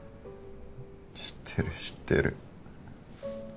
知ってる知ってる。